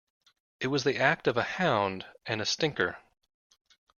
It was the act of a hound and a stinker.